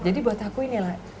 jadi buat aku ini lah